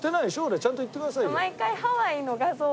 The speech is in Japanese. ちゃんと言ってくださいよ。